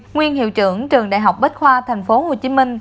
nguyên hiệu trưởng trường đại học bách khoa tp hcm